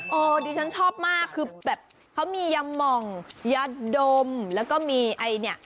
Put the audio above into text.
ดิฉันชอบมากคือแบบเขามียาหม่องยาดมแล้วก็มีไอเนี่ย